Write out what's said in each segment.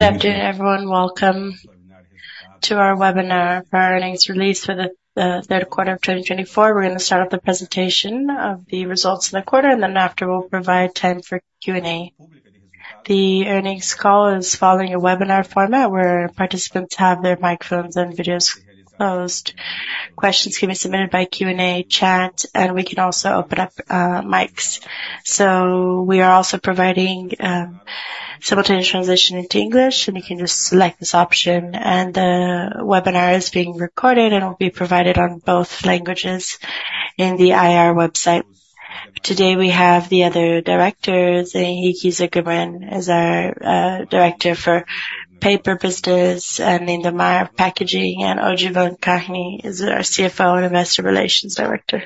Good afternoon, everyone. Welcome to our webinar for earnings release for the third quarter of 2024. We're going to start off the presentation of the results of the quarter, and then after, we'll provide time for Q&A. The earnings call is following a webinar format where participants have their microphones and videos closed. Questions can be submitted by Q&A chat, and we can also open up mics. So we are also providing simultaneous translation into English, and you can just select this option. And the webinar is being recorded and will be provided on both languages in the IR website. Today we have the other directors. Henrique Zugman is our director for paper business, and Lindamar Peixoto packaging, and Odivan Kargnin is our CFO and investor relations director.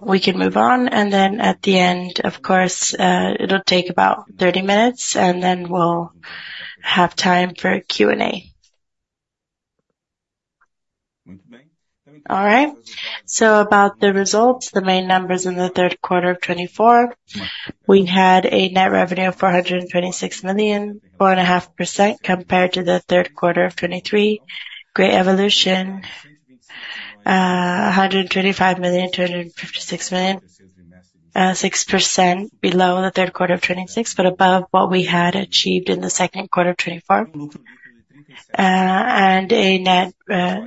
We can move on, and then at the end, of course, it'll take about 30 minutes, and then we'll have time for Q&A. All right. So about the results, the main numbers in the third quarter of 2024, we had a net revenue of 426 million, 4.5% compared to the third quarter of 2023. Great evolution, 125 million, 256 million, 6% below the third quarter of 2026, but above what we had achieved in the second quarter of 2024. And a net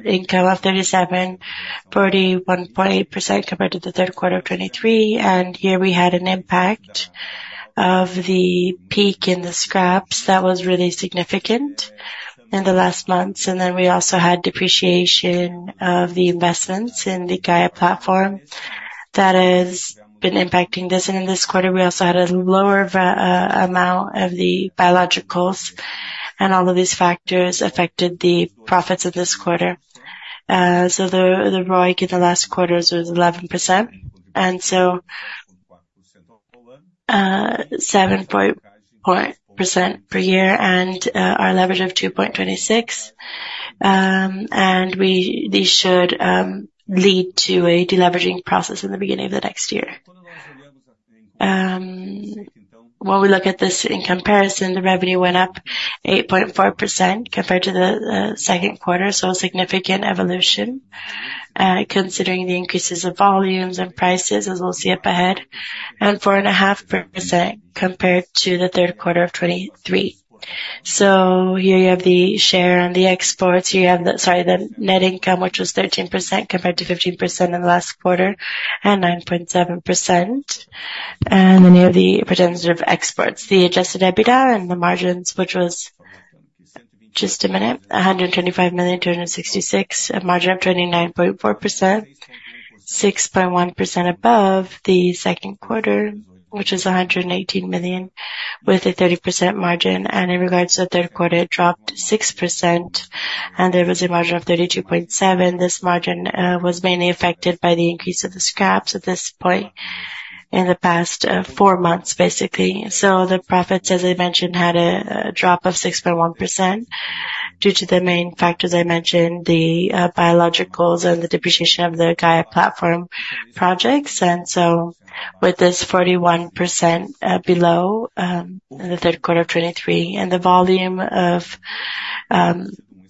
income of 37 million, 41.8% compared to the third quarter of 2023. And here we had an impact of the peak in the scraps that was really significant in the last months. And then we also had depreciation of the investments in the Gaia platform that has been impacting this. In this quarter, we also had a lower amount of the biological assets, and all of these factors affected the profits of this quarter. The ROIC in the last quarter was 11%, so 7.4% per year and our leverage of 2.26. These should lead to a deleveraging process in the beginning of the next year. When we look at this in comparison, the revenue went up 8.4% compared to the second quarter, so a significant evolution considering the increases of volumes and prices, as we'll see up ahead, and 4.5% compared to the third quarter of 2023. Here you have the share on the exports. Here you have the, sorry, the net income, which was 13% compared to 15% in the last quarter and 9.7%. Then you have the percentage of exports, the adjusted EBITDA and the margins, which was, just a minute, 125.266 million, a margin of 29.4%, 6.1% above the second quarter, which is 118 million with a 30% margin. In regards to the third quarter, it dropped 6%, and there was a margin of 32.7%. This margin was mainly affected by the increase of the scraps at this point in the past four months, basically. The profits, as I mentioned, had a drop of 6.1% due to the main factors I mentioned, the biological assets and the depreciation of the Gaia Platform projects. With this 41% below in the third quarter of 2023 and the volume of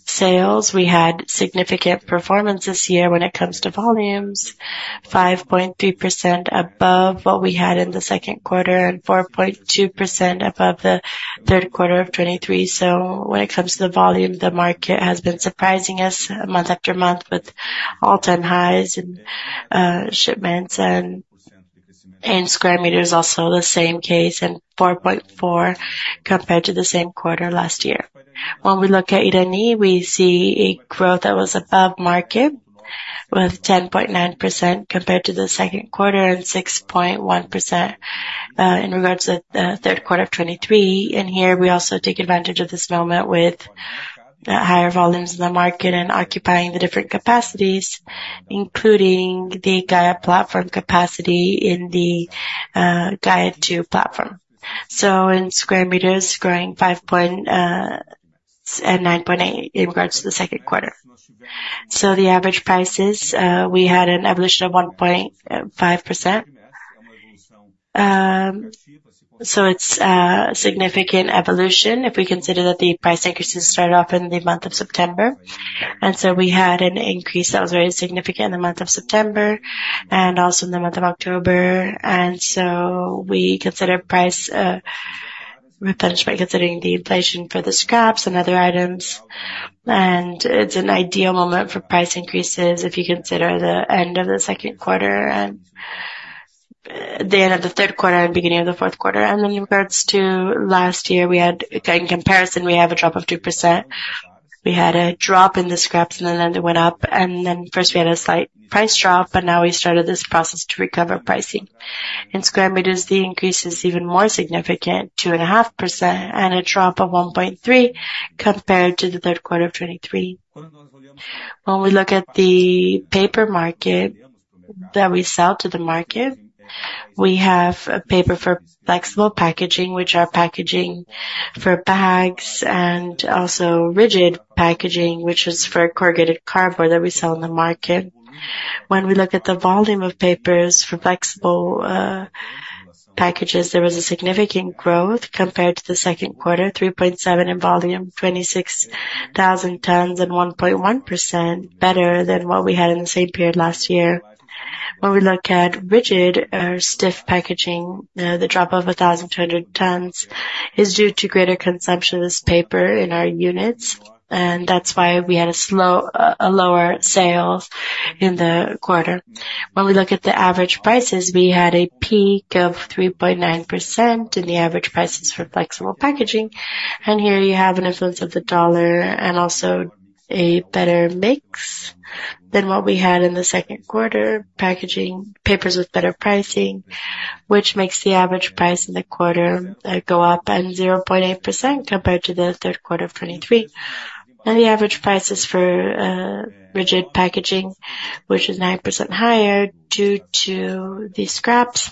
sales, we had significant performance this year when it comes to volumes, 5.3% above what we had in the second quarter and 4.2% above the third quarter of 2023. So when it comes to the volume, the market has been surprising us month after month with all-time highs in shipments and in square meters, also the same case, and 4.4% compared to the same quarter last year. When we look at Irani, we see a growth that was above market with 10.9% compared to the second quarter and 6.1% in regards to the third quarter of 2023. And here we also take advantage of this moment with higher volumes in the market and occupying the different capacities, including the Gaia Platform capacity in the Gaia 2 platform. So in square meters, growing 5.98% in regards to the second quarter. So the average prices, we had an evolution of 1.5%. So it's a significant evolution if we consider that the price increases started off in the month of September. We had an increase that was very significant in the month of September and also in the month of October. We consider price replenishment, considering the inflation for the scraps and other items. It's an ideal moment for price increases if you consider the end of the second quarter and the end of the third quarter and beginning of the fourth quarter. In regards to last year, in comparison, we have a drop of 2%. We had a drop in the scraps, and then it went up. First we had a slight price drop, but now we started this process to recover pricing. In square meters, the increase is even more significant, 2.5%, and a drop of 1.3% compared to the third quarter of 2023. When we look at the paper market that we sell to the market, we have paper for flexible packaging, which are packaging for bags, and also rigid packaging, which is for corrugated cardboard that we sell in the market. When we look at the volume of papers for flexible packages, there was a significant growth compared to the second quarter, 3.7% in volume, 26,000 tons, and 1.1% better than what we had in the same period last year. When we look at rigid or stiff packaging, the drop of 1,200 tons is due to greater consumption of this paper in our units, and that's why we had a lower sale in the quarter. When we look at the average prices, we had a peak of 3.9% in the average prices for flexible packaging. Here you have an influence of the dollar and also a better mix than what we had in the second quarter, packaging papers with better pricing, which makes the average price in the quarter go up 0.8% compared to the third quarter of 2023. The average prices for rigid packaging, which is 9% higher due to the scraps.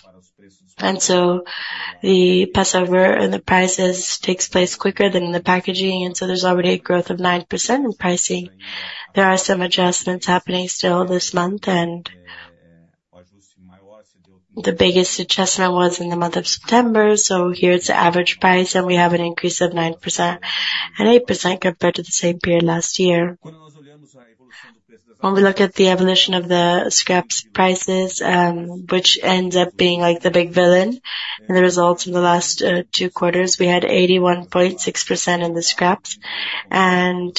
The pass-through and the prices take place quicker than the packaging. There's already a growth of 9% in pricing. There are some adjustments happening still this month, and the biggest adjustment was in the month of September. Here's the average price, and we have an increase of 9% and 8% compared to the same period last year. When we look at the evolution of the scraps prices, which ends up being like the big villain in the results from the last two quarters, we had 81.6% in the scraps, and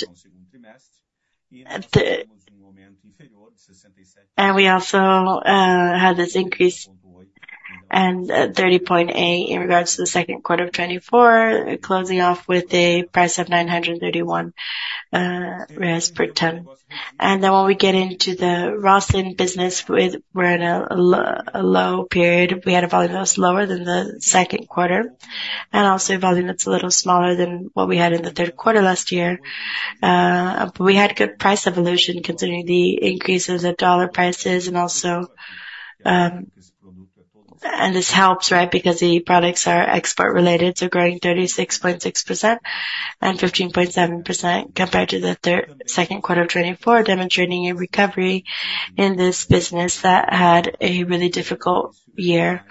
we also had this increase and 30.8% in regards to the second quarter of 2024, closing off with a price of 931 BRL per ton. And then when we get into the rosin business, we're in a low period. We had a volume that was lower than the second quarter and also a volume that's a little smaller than what we had in the third quarter last year, but we had good price evolution considering the increase in the dollar prices, and this helps, right, because the products are export-related, so growing 36.6% and 15.7% compared to the second quarter of 2024, demonstrating a recovery in this business that had a really difficult year.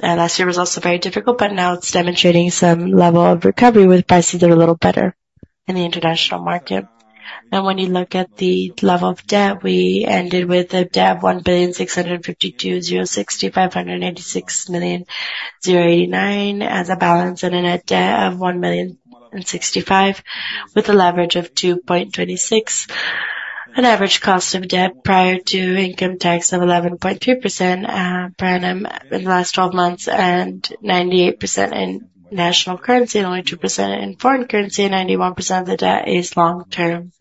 Last year was also very difficult, but now it's demonstrating some level of recovery with prices that are a little better in the international market, and when you look at the level of debt, we ended with a debt of 1,652,060,586,089 as a balance and a net debt of 1,065,000 with a leverage of 2.26, an average cost of debt prior to income tax of 11.3% in the last 12 months and 98% in national currency and only 2% in foreign currency, and 91% of the debt is long-term,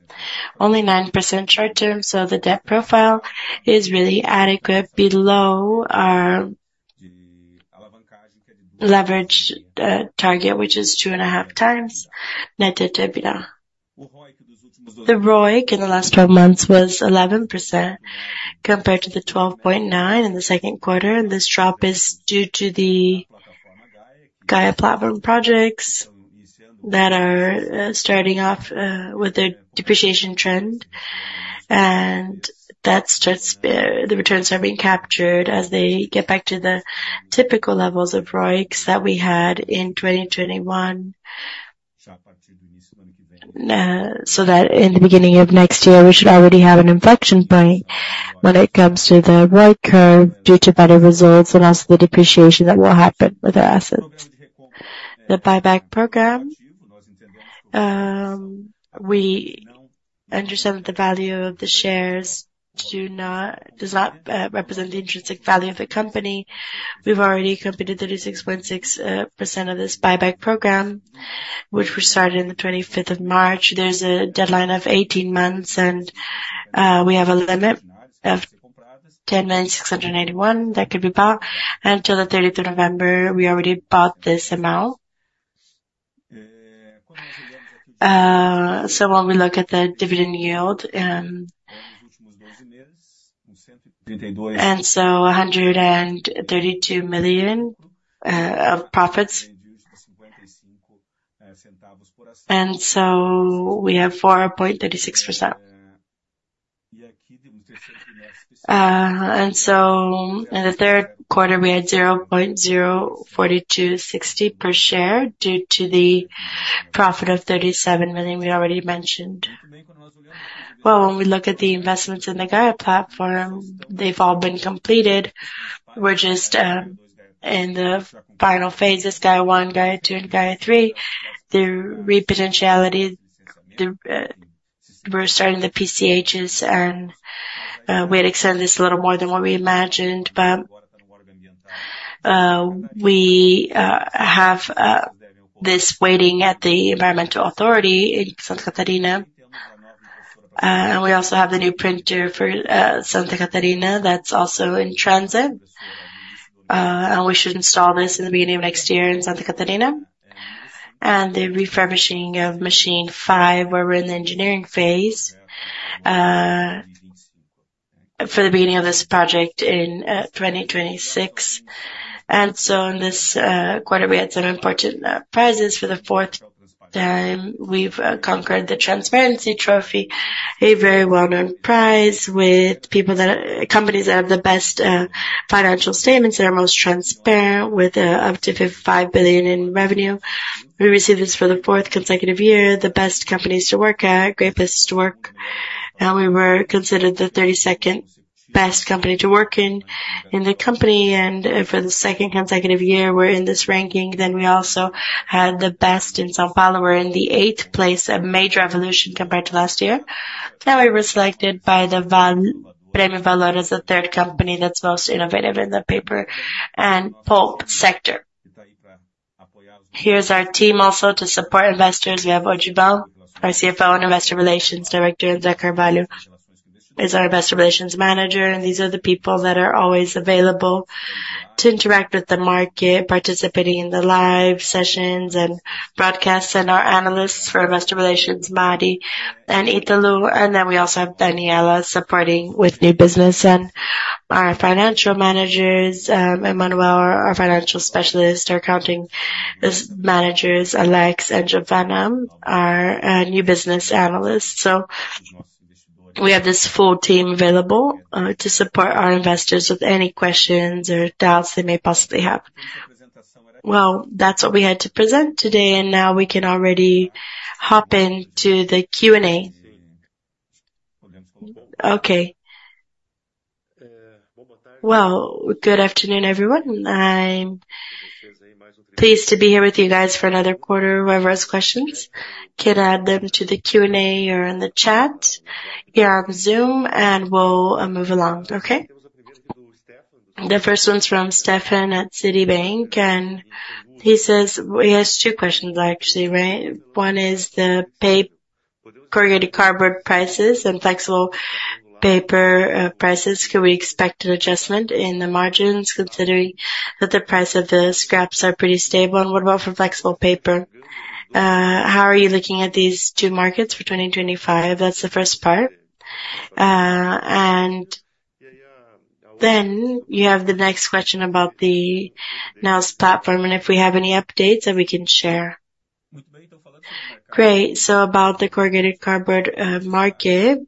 only 9% short-term, so the debt profile is really adequate below our leverage target, which is 2.5 times net debt to EBITDA. The ROIC in the last 12 months was 11% compared to the 12.9% in the second quarter. This drop is due to the Gaia Platform projects that are starting off with a depreciation trend, and that starts the returns are being captured as they get back to the typical levels of ROICs that we had in 2021. That in the beginning of next year, we should already have an inflection point when it comes to the ROIC curve due to better results and also the depreciation that will happen with our assets. The buyback program, we understand that the value of the shares does not represent the intrinsic value of the company. We've already completed 36.6% of this buyback program, which we started on the 25th of March. There's a deadline of 18 months, and we have a limit of 10,691 that could be bought until the 30th of November. We already bought this amount. When we look at the dividend yield, 132 million of profits, we have 4.36%. In the third quarter, we had 0.04260 per share due to the profit of 37 million we already mentioned. When we look at the investments in the Gaia Platform, they've all been completed. We're just in the final phase, this Gaia 1, Gaia 2, and Gaia 3. The repotentiality, we're starting the PCHs, and we had extended this a little more than what we imagined, but we have this waiting at the Environmental Authority in Santa Catarina. We also have the new printer for Santa Catarina that's also in transit. We should install this in the beginning of next year in Santa Catarina. The refurbishing of Machine 5, where we're in the engineering phase for the beginning of this project in 2026. In this quarter, we had some important prizes. For the fourth time, we've conquered the Transparency Trophy, a very well-known prize with companies that have the best financial statements that are most transparent with up to five billion in revenue. We received this for the fourth consecutive year, the best companies to work at, Great Place to Work. We were considered the 32nd best company to work in the company. For the second consecutive year, we're in this ranking. We also had the best in São Paulo. We're in the eighth place, a major evolution compared to last year. We were selected by the Prêmio Valor as the third company that's most innovative in the paper and pulp sector. Here is our team also to support investors. We have Odivan, our CFO and Investor Relations Director, and Zakarkim Valio is our Investor Relations Manager. These are the people that are always available to interact with the market, participating in the live sessions and broadcasts, and our analysts for Investor Relations, Mauri and Ítalo. We also have Daniela supporting with new business and our financial managers, Emanuel, our financial specialist, our accounting managers, Alex, and Giovana, our new business analysts. So we have this full team available to support our investors with any questions or doubts they may possibly have. That's what we had to present today, and now we can already hop into the Q&A. Okay. Good afternoon, everyone. I'm pleased to be here with you guys for another quarter. Whoever has questions can add them to the Q&A or in the chat here on Zoom, and we'll move along, okay? The first one's from Stefan at Citi, and he says he has two questions, actually, right? One is the corrugated cardboard prices and flexible paper prices. Could we expect an adjustment in the margins considering that the price of the scraps are pretty stable? And what about for flexible paper? How are you looking at these two markets for 2025? That's the first part. And then you have the next question about the Neos platform and if we have any updates that we can share. Great. So about the corrugated cardboard market,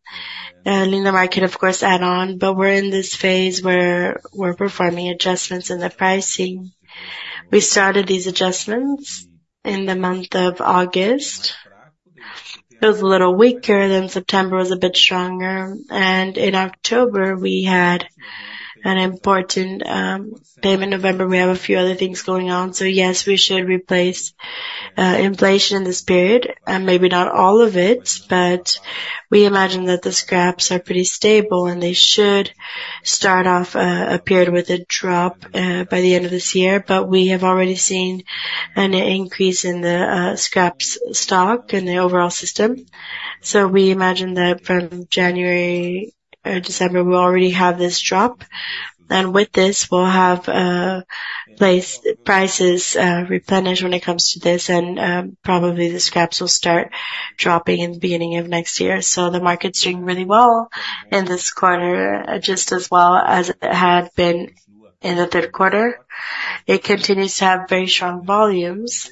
in the market, of course, and on, but we're in this phase where we're performing adjustments in the pricing. We started these adjustments in the month of August. It was a little weaker, then September was a bit stronger. And in October, we had an important payment. In November, we have a few other things going on. Yes, we should replace inflation in this period, and maybe not all of it, but we imagine that the scraps are pretty stable, and they should start off a period with a drop by the end of this year. We have already seen an increase in the scraps stock and the overall system. We imagine that from January or December, we'll already have this drop. With this, we'll have prices replenished when it comes to this, and probably the scraps will start dropping in the beginning of next year. The market's doing really well in this quarter, just as well as it had been in the third quarter. It continues to have very strong volumes,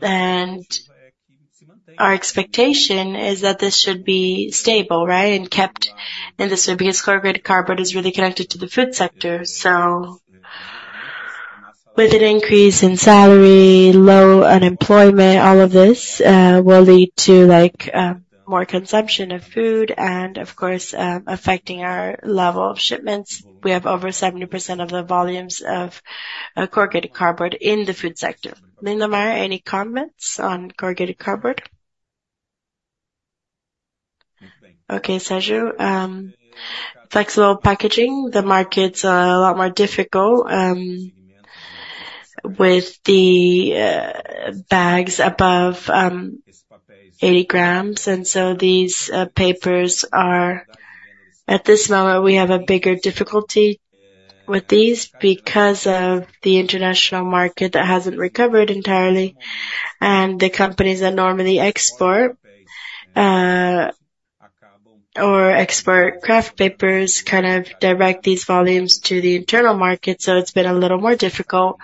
and our expectation is that this should be stable, right, and kept in this way because corrugated cardboard is really connected to the food sector. With an increase in salary, low unemployment, all of this will lead to more consumption of food and, of course, affecting our level of shipments. We have over 70% of the volumes of corrugated cardboard in the food sector. Lindamar, any comments on corrugated cardboard? Okay, Sérgio, flexible packaging, the market's a lot more difficult with the bags above 80 grams. And so these papers are at this moment, we have a bigger difficulty with these because of the international market that hasn't recovered entirely. And the companies that normally export or export kraft papers kind of direct these volumes to the internal market. So it's been a little more difficult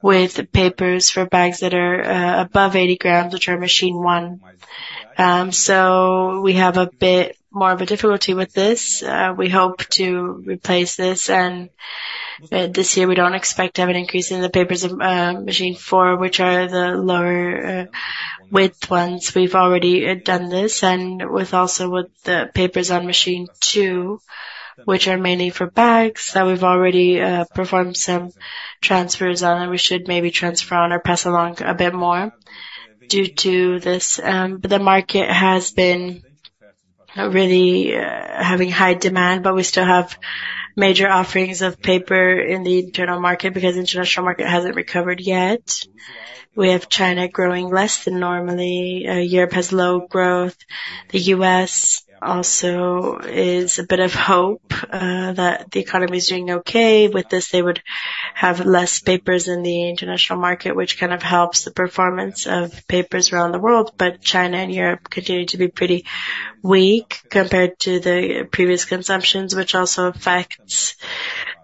with papers for bags that are above 80 grams, which are Machine 1. So we have a bit more of a difficulty with this. We hope to replace this. This year, we don't expect to have an increase in the papers of machine 4, which are the lower width ones. We've already done this. Also with the papers on machine 2, which are mainly for bags, that we've already performed some transfers on, and we should maybe transfer on or pass along a bit more due to this. But the market has been really having high demand, but we still have major offerings of paper in the internal market because the international market hasn't recovered yet. We have China growing less than normally. Europe has low growth. The U.S. also is a bit of hope that the economy is doing okay. With this, they would have less papers in the international market, which kind of helps the performance of papers around the world. China and Europe continue to be pretty weak compared to the previous consumptions, which also affects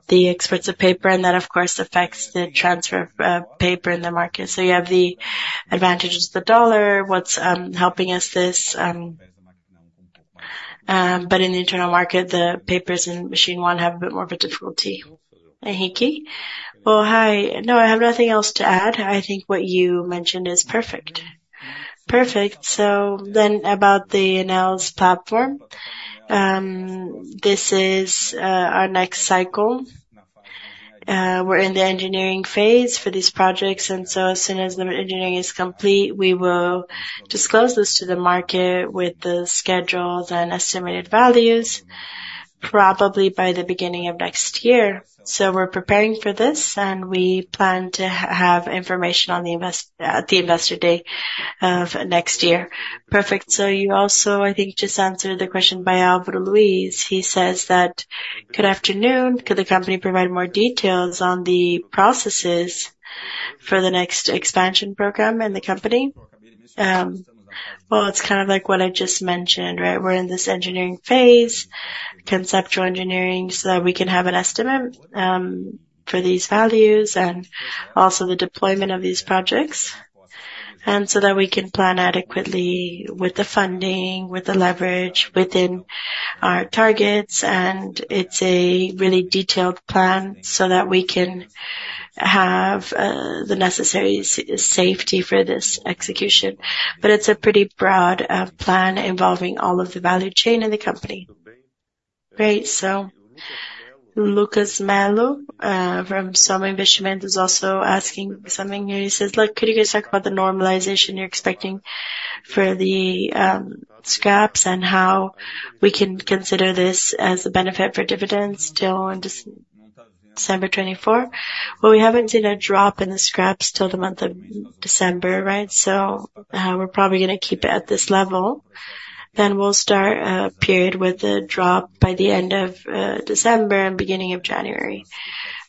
the exports of paper. And that, of course, affects the transfer of paper in the market. So you have the advantage of the dollar, what's helping us this. But in the internal market, the papers in Machine 1 have a bit more of a difficulty. Well, okay. No, I have nothing else to add. I think what you mentioned is perfect. Perfect. So then about the Neos platform, this is our next cycle. We're in the engineering phase for these projects. And so as soon as the engineering is complete, we will disclose this to the market with the schedules and estimated values probably by the beginning of next year. So we're preparing for this, and we plan to have information on the investor day of next year. Perfect. You also, I think, just answered the question by Alvaro Luis. He says that, "Good afternoon. Could the company provide more details on the processes for the next expansion program in the company?" It's kind of like what I just mentioned, right? We're in this engineering phase, conceptual engineering, so that we can have an estimate for these values and also the deployment of these projects so that we can plan adequately with the funding, with the leverage within our targets. It's a really detailed plan so that we can have the necessary safety for this execution. But it's a pretty broad plan involving all of the value chain in the company. Great. So Lucas Mello from Soma Asset Management is also asking something. He says, "Look, could you guys talk about the normalization you're expecting for the scraps and how we can consider this as a benefit for dividends till December 24?" Well, we haven't seen a drop in the scraps till the month of December, right? So we're probably going to keep it at this level. Then we'll start a period with a drop by the end of December and beginning of January.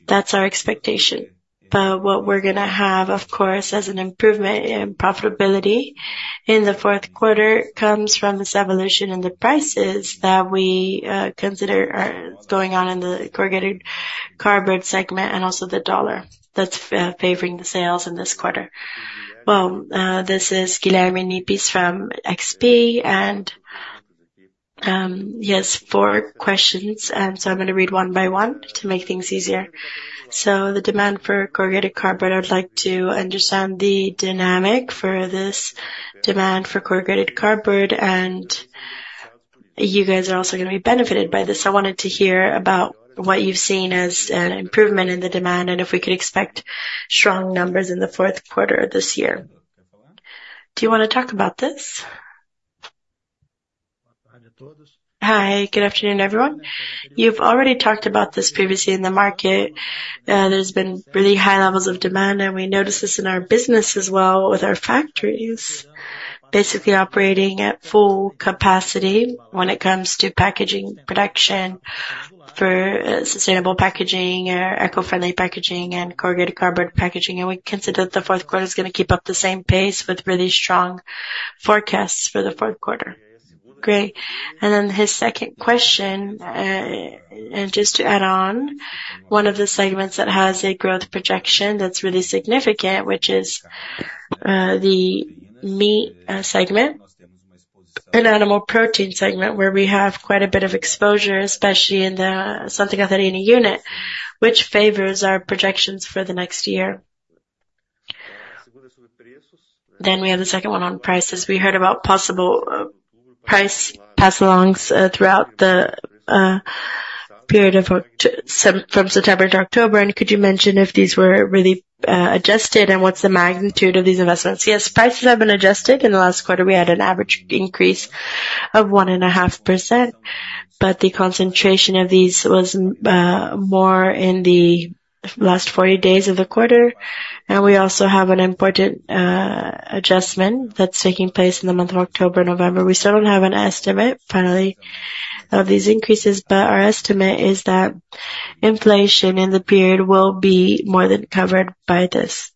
That's our expectation. But what we're going to have, of course, as an improvement in profitability in the fourth quarter comes from this evolution in the prices that we consider going on in the corrugated cardboard segment and also the dollar that's favoring the sales in this quarter. Well, this is Guilherme Nippes from XP, and he has four questions. And so I'm going to read one by one to make things easier. So, the demand for corrugated cardboard. I'd like to understand the dynamic for this demand for corrugated cardboard, and you guys are also going to be benefited by this. I wanted to hear about what you've seen as an improvement in the demand and if we could expect strong numbers in the fourth quarter of this year. Do you want to talk about this? Hi. Good afternoon, everyone. You've already talked about this previously in the market. There's been really high levels of demand, and we notice this in our business as well with our factories basically operating at full capacity when it comes to packaging production for sustainable packaging or eco-friendly packaging and corrugated cardboard packaging. And we consider that the fourth quarter is going to keep up the same pace with really strong forecasts for the fourth quarter. Great. And then his second question, and just to add on, one of the segments that has a growth projection that's really significant, which is the meat segment, an animal protein segment where we have quite a bit of exposure, especially in the Santa Catarina unit, which favors our projections for the next year. Then we have the second one on prices. We heard about possible price pass-alongs throughout the period from September to October. And could you mention if these were really adjusted and what's the magnitude of these investments? Yes, prices have been adjusted. In the last quarter, we had an average increase of 1.5%, but the concentration of these was more in the last 40 days of the quarter. And we also have an important adjustment that's taking place in the month of October and November. We still don't have a final estimate of these increases, but our estimate is that inflation in the period will be more than covered by this,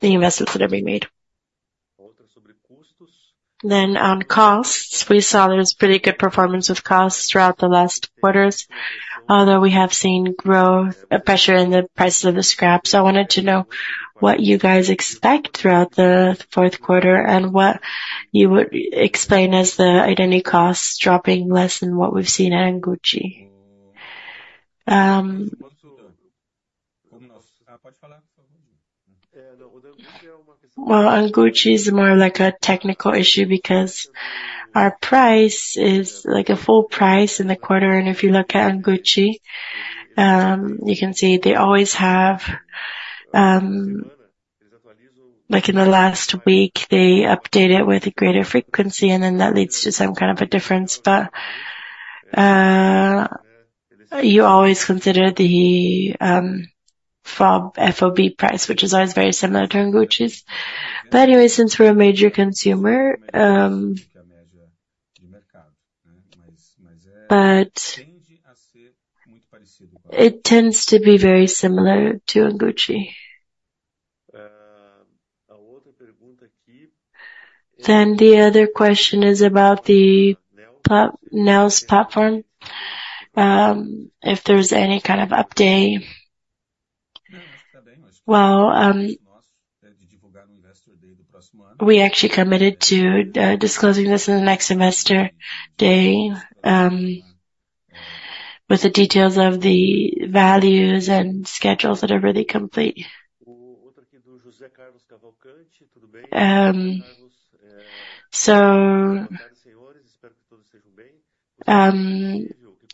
the investments that have been made, then on costs, we saw there was pretty good performance with costs throughout the last quarters, although we have seen upward pressure in the prices of the scraps. I wanted to know what you guys expect throughout the fourth quarter and what you would explain as the unit costs dropping less than what we've seen at Anguti, well, Anguti is more like a technical issue because our price is like a full price in the quarter, and if you look at Anguti, you can see they always have, like in the last week, they update it with a greater frequency, and then that leads to some kind of a difference. But you always consider the FOB price, which is always very similar to Anguti. But anyway, since we're a major consumer, it tends to be very similar to Anguti. Then the other question is about the Neos platform, if there's any kind of update? Well, we actually committed to disclosing this in the next investor day with the details of the values and schedules that are really complete. So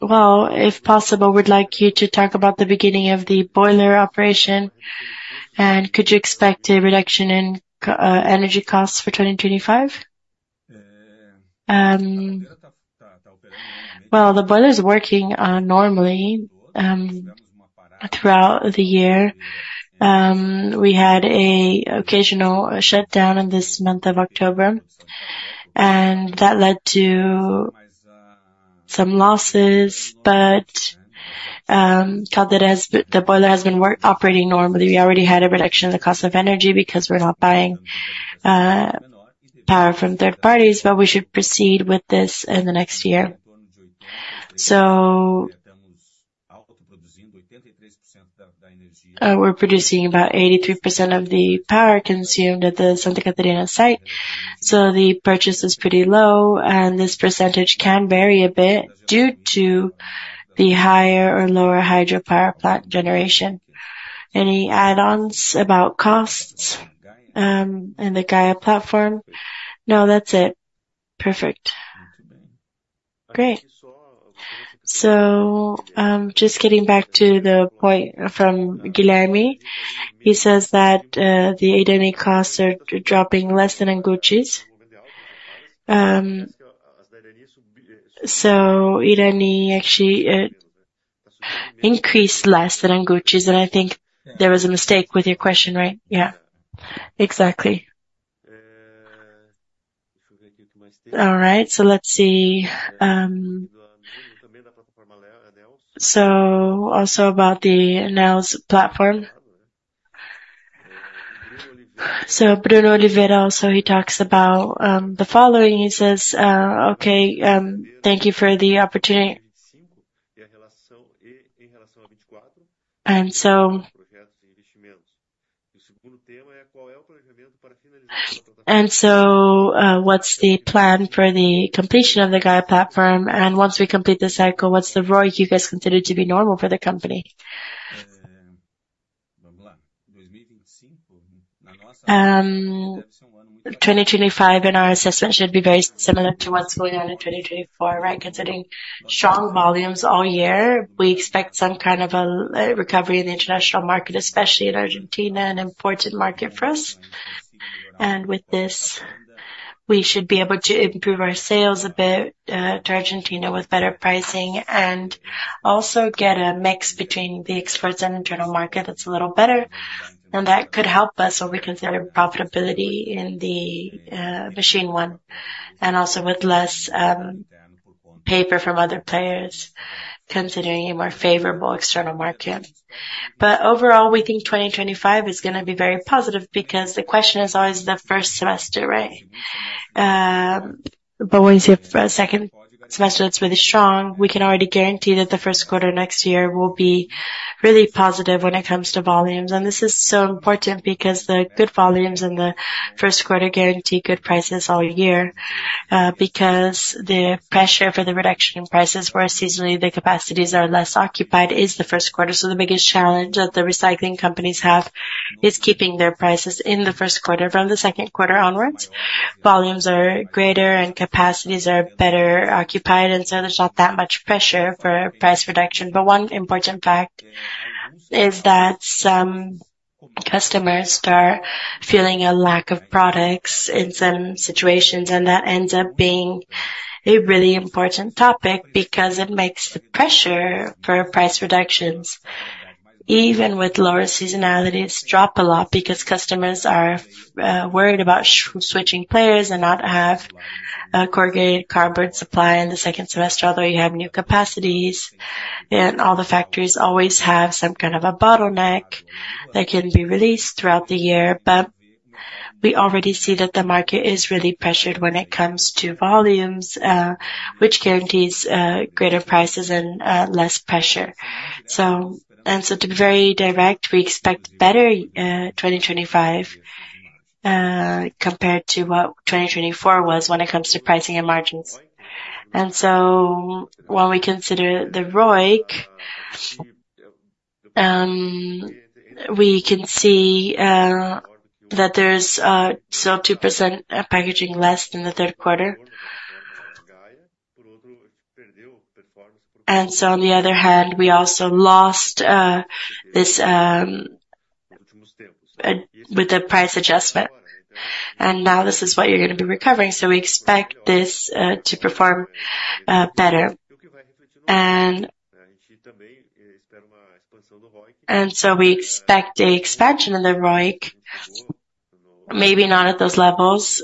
well, if possible, we'd like you to talk about the beginning of the boiler operation. And could you expect a reduction in energy costs for 2025? Well, the boiler is working normally throughout the year. We had an occasional shutdown in this month of October, and that led to some losses. But the boiler has been operating normally. We already had a reduction in the cost of energy because we're not buying power from third parties, but we should proceed with this in the next year, so we're producing about 83% of the power consumed at the Santa Catarina site. So the purchase is pretty low, and this percentage can vary a bit due to the higher or lower hydropower plant generation. Any add-ons about costs in the Gaia platform? No, that's it. Perfect. Great, so just getting back to the point from Guilherme, he says that the input costs are dropping less than Anguti's, so input actually increased less than Anguti's. And I think there was a mistake with your question, right? Yeah. Exactly. All right, so let's see, so also about the Neos platform. So Bruno Oliveira, also he talks about the following. He says, "Okay, thank you for the opportunity." And so the second theme is, "Qual é o planejamento para finalizar a plataforma?" And so what's the plan for the completion of the Gaia Platform? And once we complete the cycle, what's the ROI? You guys consider it to be normal for the company? 2025 in our assessment should be very similar to what's going on in 2024, right? Considering strong volumes all year, we expect some kind of a recovery in the international market, especially in Argentina, an important market for us. And with this, we should be able to improve our sales a bit to Argentina with better pricing and also get a mix between the exports and internal market that's a little better. That could help us to consider profitability in the Machine 1 and also with less paper from other players considering a more favorable external market. But overall, we think 2025 is going to be very positive because the question is always the first semester, right? But once you have a second semester that's really strong, we can already guarantee that the first quarter next year will be really positive when it comes to volumes. And this is so important because the good volumes in the first quarter guarantee good prices all year because the pressure for the reduction in prices, where seasonally the capacities are less occupied, is the first quarter. So the biggest challenge that the recycling companies have is keeping their prices in the first quarter from the second quarter onwards. Volumes are greater and capacities are better occupied, and so there's not that much pressure for price reduction. But one important fact is that some customers are feeling a lack of products in some situations, and that ends up being a really important topic because it makes the pressure for price reductions, even with lower seasonalities, drop a lot because customers are worried about switching players and not having a corrugated cardboard supply in the second semester, although you have new capacities. And all the factories always have some kind of a bottleneck that can be released throughout the year. But we already see that the market is really pressured when it comes to volumes, which guarantees greater prices and less pressure. And so to be very direct, we expect better 2025 compared to what 2024 was when it comes to pricing and margins. And so while we consider the ROIC, we can see that there's still 2% packaging less in the third quarter. And so on the other hand, we also lost this with the price adjustment. And now this is what you're going to be recovering. So we expect this to perform better. And so we expect an expansion in the ROIC, maybe not at those levels,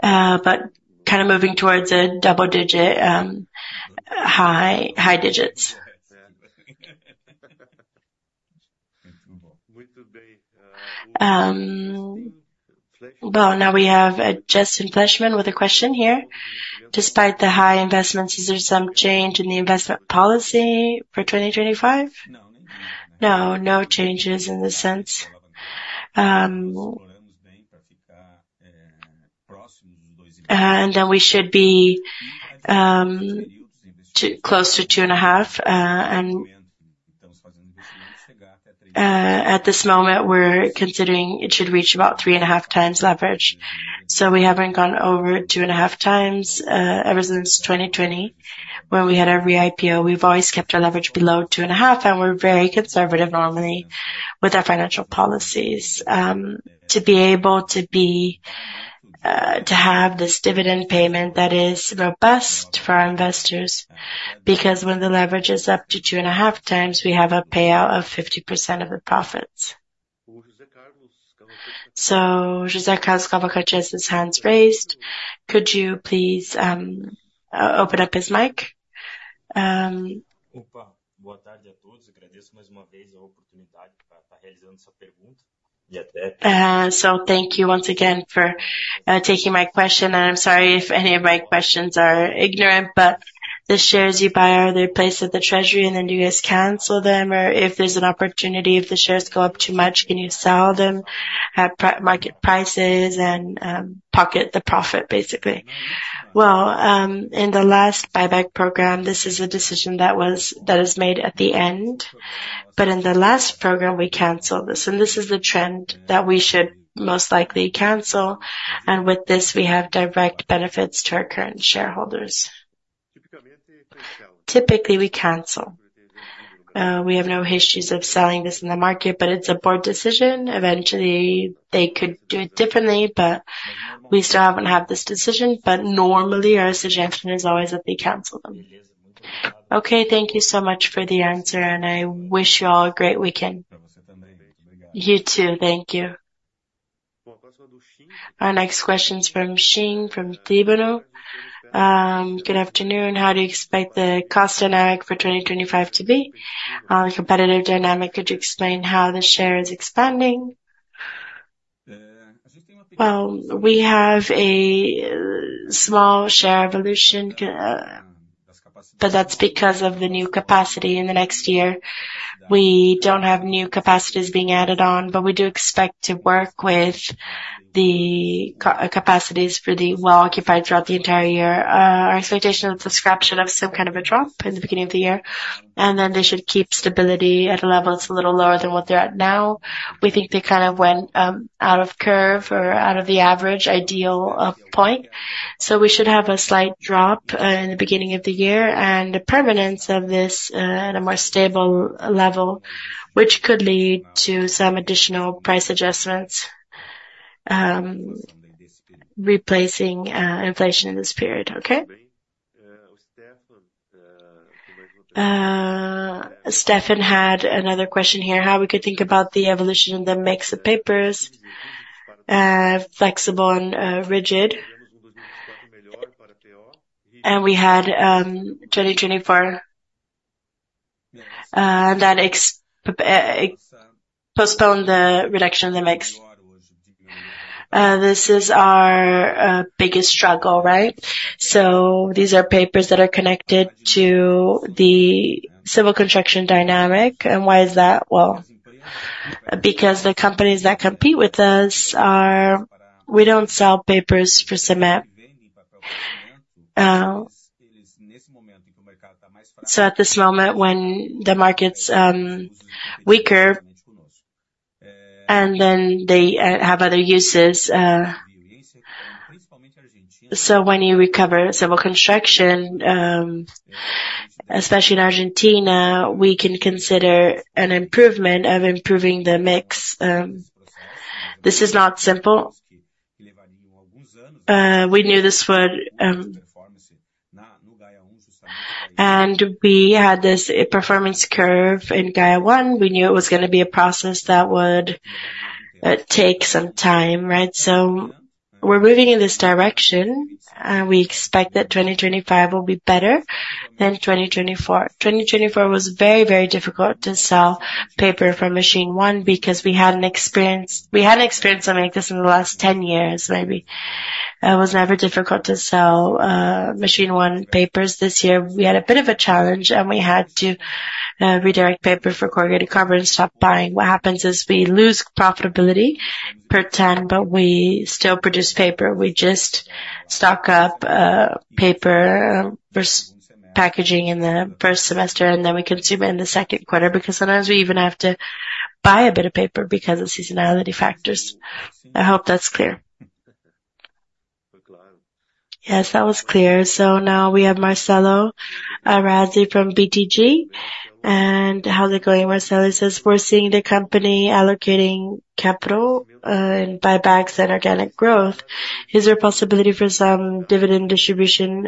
but kind of moving towards a double-digit high digits. Well, now we have Justin Fleischmann with a question here. Despite the high investments, is there some change in the investment policy for 2025? No, no changes in the sense. And then we should be closer to two and a half. And at this moment, we're considering it should reach about three and a half times leverage. So we haven't gone over two and a half times ever since 2020 when we had our re-IPO. We've always kept our leverage below two and a half, and we're very conservative normally with our financial policies to be able to have this dividend payment that is robust for our investors because when the leverage is up to two and a half times, we have a payout of 50% of the profits. So José Carlos Cavalcanti has his hands raised. Could you please open up his mic? Boa tarde a todos. Agradeço mais uma vez a oportunidade para estar realizando essa pergunta. So thank you once again for taking my question. And I'm sorry if any of my questions are ignorant, but the shares you buy, are they placed at the treasury and then you guys cancel them? Or if there's an opportunity, if the shares go up too much, can you sell them at market prices and pocket the profit, basically? In the last buyback program, this is a decision that is made at the end. But in the last program, we canceled this. And this is the trend that we should most likely cancel. And with this, we have direct benefits to our current shareholders. Typically, we cancel. We have no issues of selling this in the market, but it's a board decision. Eventually, they could do it differently, but we still haven't had this decision. But normally, our suggestion is always that they cancel them. Okay, thank you so much for the answer, and I wish you all a great weekend. You too. Thank you. Our next question is from Shin from Trígono. Good afternoon. How do you expect the cost dynamic for 2025 to be? Competitive dynamic. Could you explain how the share is expanding? We have a small share evolution, but that's because of the new capacity in the next year. We don't have new capacities being added on, but we do expect to work with the capacities for the well-occupied throughout the entire year. Our expectation is a scrap spread of some kind of a drop in the beginning of the year, and then they should keep stability at a level that's a little lower than what they're at now. We think they kind of went out of curve or out of the average ideal point. So we should have a slight drop in the beginning of the year and a permanence of this at a more stable level, which could lead to some additional price adjustments replacing inflation in this period. Okay? Stefan had another question here. How we could think about the evolution in the mix of papers, flexible and rigid. And we had 2024 that postponed the reduction of the mix. This is our biggest struggle, right? So these are papers that are connected to the civil construction dynamic. And why is that? Well, because the companies that compete with us, we don't sell papers for cement. So at this moment, when the market's weaker, and then they have other uses. So when you recover civil construction, especially in Argentina, we can consider an improvement of improving the mix. This is not simple. We knew this would, and we had this performance curve in Gaia 1. We knew it was going to be a process that would take some time, right? So we're moving in this direction. We expect that 2025 will be better than 2024. 2024 was very, very difficult to sell paper from machine 1 because we hadn't experienced something like this in the last 10 years, maybe. It was never difficult to sell machine 1 papers. This year, we had a bit of a challenge, and we had to redirect paper for corrugated cardboard and stop buying. What happens is we lose profitability per ton, but we still produce paper. We just stock up paper packaging in the first semester, and then we consume it in the second quarter because sometimes we even have to buy a bit of paper because of seasonality factors. I hope that's clear. Yes, that was clear. So now we have Marcelo Arazi from BTG. And how's it going, Marcelo? He says, "We're seeing the company allocating capital and buybacks and organic growth. Is there a possibility for some dividend distribution,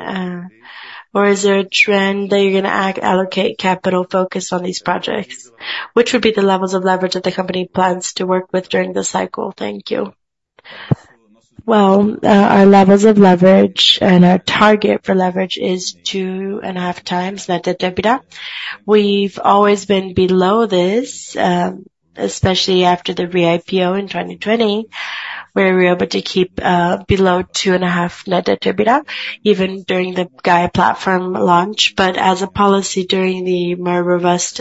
or is there a trend that you're going to allocate capital focused on these projects? Which would be the levels of leverage that the company plans to work with during the cycle? Thank you. Well, our levels of leverage and our target for leverage is two and a half times Net Debt to EBITDA. We've always been below this, especially after the re-IPO in 2020, where we were able to keep below two and a half Net Debt to EBITDA, even during the Gaia Platform launch. But as a policy, during the more robust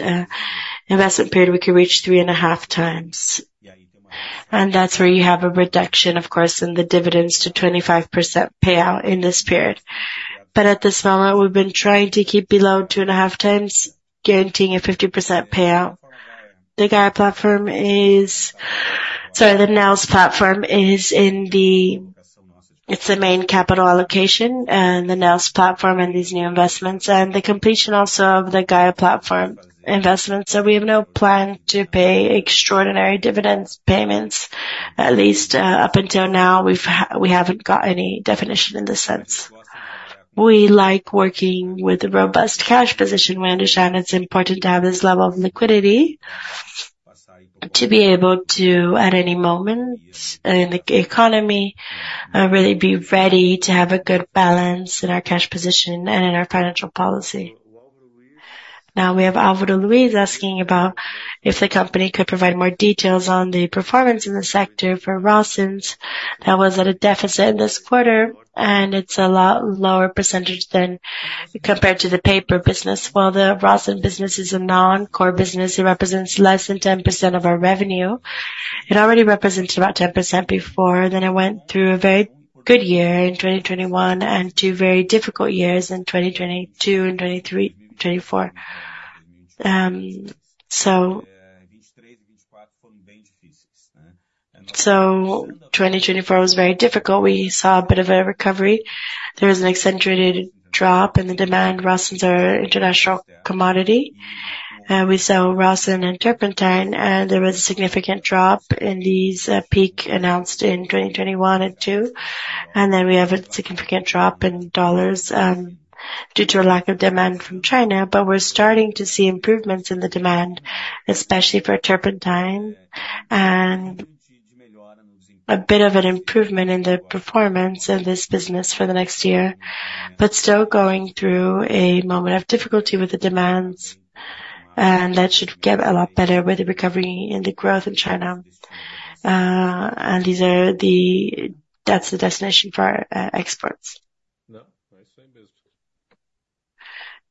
investment period, we could reach three and a half times. And that's where you have a reduction, of course, in the dividends to 25% payout in this period. But at this moment, we've been trying to keep below two and a half times, guaranteeing a 50% payout. The Neos platform is. It's the main capital allocation, and the Neos platform and these new investments and the completion also of the Gaia platform investments. We have no plan to pay extraordinary dividends payments, at least up until now. We haven't got any definition in this sense. We like working with a robust cash position. We understand it's important to have this level of liquidity to be able to, at any moment in the economy, really be ready to have a good balance in our cash position and in our financial policy. Now, we have Álvaro Luís asking about if the company could provide more details on the performance in the sector for rosin. That was at a deficit this quarter, and it's a lot lower percentage than compared to the paper business. While the rosin business is a non-core business, it represents less than 10% of our revenue. It already represented about 10% before. Then it went through a very good year in 2021 and two very difficult years in 2022 and 2024. So 2024 was very difficult. We saw a bit of a recovery. There was an accentuated drop in the demand. Rosin is an international commodity. We sell rosin and turpentine, and there was a significant drop from the peaks attained in 2021 and 2022. And then we have a significant drop in dollars due to a lack of demand from China. But we're starting to see improvements in the demand, especially for turpentine, and a bit of an improvement in the performance of this business for the next year, but still going through a moment of difficulty with the demands. And that should get a lot better with the recovery in the growth in China. And that's the destination for exports.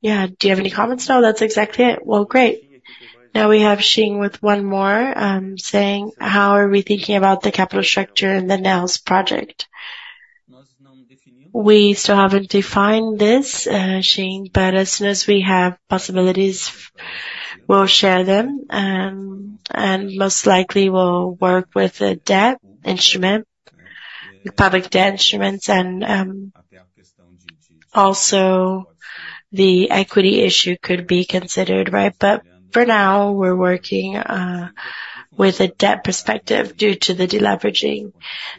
Yeah. Do you have any comments? No, that's exactly it. Well, great. Now we have Shin with one more saying, "How are we thinking about the capital structure in the Neos project?" We still haven't defined this, Shin, but as soon as we have possibilities, we'll share them. And most likely, we'll work with a debt instrument, public debt instruments. And also, the equity issue could be considered, right? But for now, we're working with a debt perspective due to the deleveraging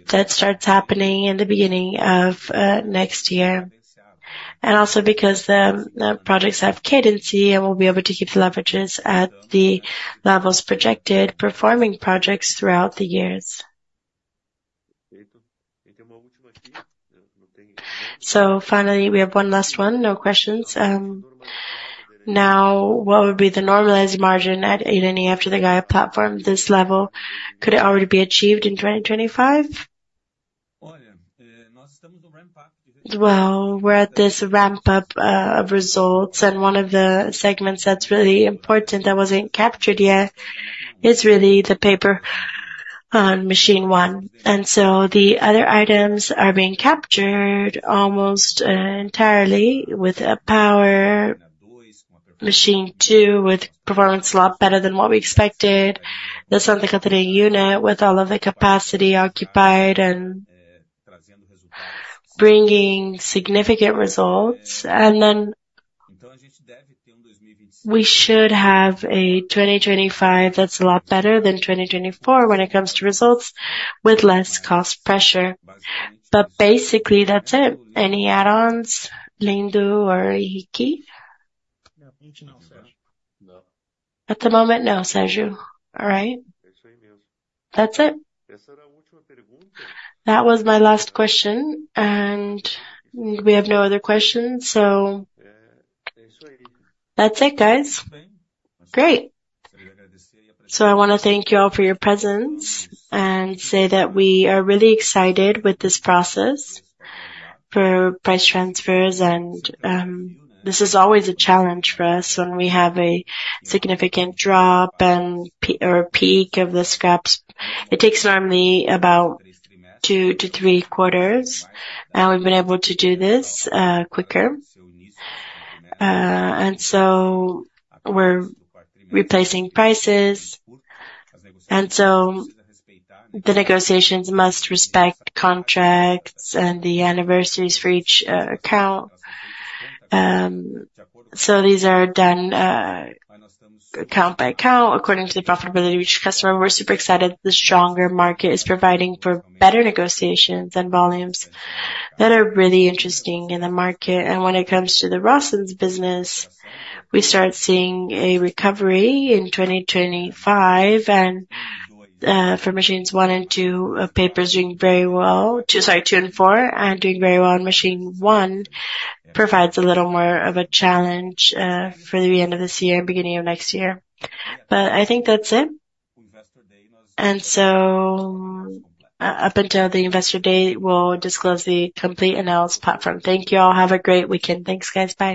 that starts happening in the beginning of next year. And also because the projects have cadence, and we'll be able to keep the leverages at the levels projected, performing projects throughout the years. So finally, we have one last one. No questions. Now, what would be the normalized margin at ENA after the Gaia Platform? This level, could it already be achieved in 2025? Well, we're at this ramp-up of results. And one of the segments that's really important that wasn't captured yet is really the paper on Machine 1. And so the other items are being captured almost entirely with paper Machine 2 with performance a lot better than what we expected. The Santa Catarina unit with all of the capacity occupied and bringing significant results. And then we should have a 2025 that's a lot better than 2024 when it comes to results with less cost pressure. But basically, that's it. Any add-ons, Lindamar or Ítalo? At the moment, no, Sérgio. All right? That's it. That was my last question. And we have no other questions. So that's it, guys. Great. I want to thank you all for your presence and say that we are really excited with this process for price transfers. This is always a challenge for us when we have a significant drop or peak of the scraps. It takes normally about two to three quarters. We've been able to do this quicker. We're replacing prices. The negotiations must respect contracts and the anniversaries for each account. These are done account by account according to the profitability reached customer. We're super excited that the stronger market is providing for better negotiations and volumes that are really interesting in the market. When it comes to the Rosin business, we start seeing a recovery in 2025. For Machines 1 and 2, papers doing very well. Sorry, Machines 2 and 4 are doing very well. Machine 1 provides a little more of a challenge for the end of this year and beginning of next year. But I think that's it. And so up until the investor day, we'll disclose the complete Neos platform. Thank you all. Have a great weekend. Thanks, guys. Bye.